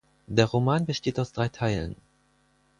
Der Roman besteht aus drei Teilen.